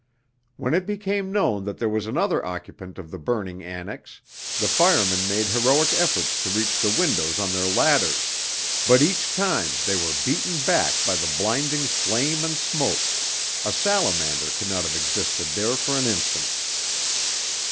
When it became known that there was another occupant of the burning annex, the firemen made heroic efforts to reach the windows on their ladders, but each time they were beaten back by the blinding flame and smoke a salamander could not have existed there for an instant.